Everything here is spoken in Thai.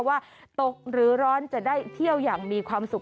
ว่าตกหรือร้อนจะได้เที่ยวอย่างมีความสุข